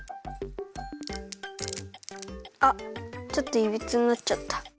あっちょっといびつになっちゃった。